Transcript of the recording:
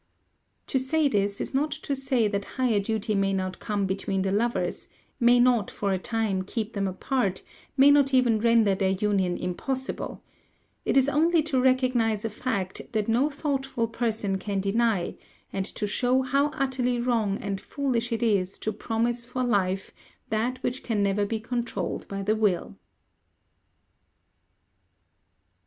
To say this, is not to say that higher duty may not come between the lovers, may not, for a time, keep them apart, may not even render their union impossible; it is only to recognize a fact that no thoughtful person can deny, and to show how utterly wrong and foolish it is to promise for life, that which can never be controlled by the will.